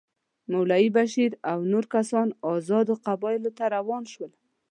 مولوي بشیر او نور کسان آزادو قبایلو ته روان شول.